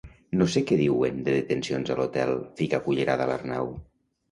No sé què diuen de detencions a l'hotel —fica cullerada l'Arnau.